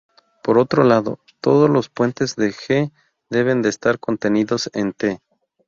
Por otro lado, todos los puentes de "G" deben estar contenidos en "T".